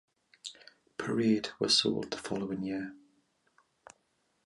"Parade" was sold the following year.